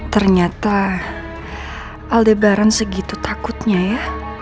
ternyata aldebaran segitu takutnya ya